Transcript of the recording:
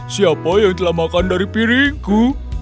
siapa yang telah makan dari piringku